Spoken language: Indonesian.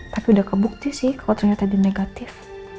tapi udah kebukti sih kalau ternyata dia negatif